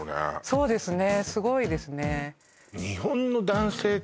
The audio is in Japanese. そうですね